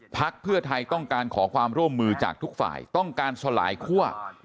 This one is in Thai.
พักเพื่อไทยต้องการขอความร่วมมือจากทุกฝ่ายต้องการสลายคั่ว